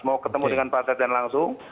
mau ketemu dengan pak setjen langsung